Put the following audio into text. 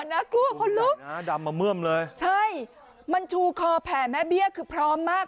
น่ากลัวคนลุกนะดำมาเมื่อมเลยใช่มันชูคอแผ่แม่เบี้ยคือพร้อมมาก